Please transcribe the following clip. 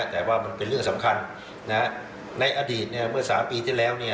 แต่ว่ามันเป็นเรื่องสำคัญในอดีตเมื่อ๓ปีที่แล้ว